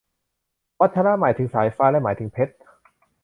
วัชระ หมายถึงสายฟ้า และหมายถึงเพชร